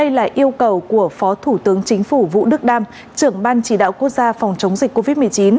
đây là yêu cầu của phó thủ tướng chính phủ vũ đức đam trưởng ban chỉ đạo quốc gia phòng chống dịch covid một mươi chín